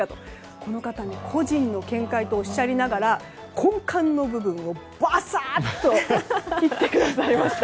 この方は個人の見解とおっしゃいながら根幹の部分をバサッと切ってくださいました。